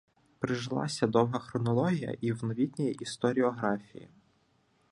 Прижилася «довга» хронологія і в новітній історіографії.